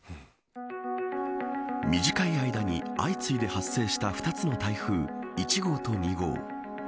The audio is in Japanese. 短い間に相次いで発生した２つの台風１号と２号。